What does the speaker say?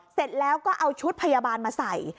เสร็จแล้วก็เอาชุดพยาบาลมาใส่